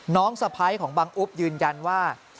สะพ้ายของบังอุ๊บยืนยันว่า